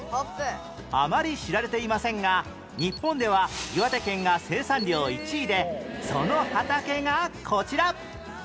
あまり知られていませんが日本では岩手県が生産量１位でその畑がこちら